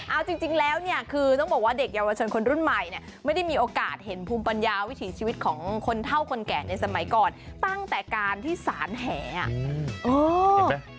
เอาจริงแล้วเนี่ยคือต้องบอกว่าเด็กเยาวชนคนรุ่นใหม่เนี่ยไม่ได้มีโอกาสเห็นภูมิปัญญาวิถีชีวิตของคนเท่าคนแก่ในสมัยก่อนตั้งแต่การที่สารแหอ่ะเห็นไหม